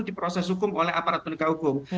di proses hukum oleh aparat pendekat hukum